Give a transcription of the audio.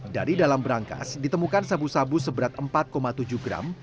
dari dalam berangkas ditemukan sabu sabu seberat empat tujuh gram